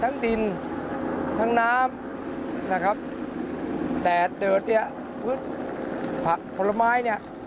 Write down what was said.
ทั้งดินทั้งน้ำนะครับแต่เดิดเนี้ยพืชผักผลไม้เนี่ย